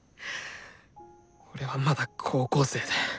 俺はまだ高校生で！